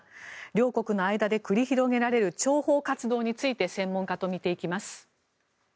両国の間で繰り広げられる諜報活動について専門家と見ていきます。